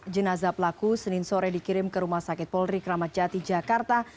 jenazah pelaku senin sore dikirim ke rumah sakit polri kramat jati jakarta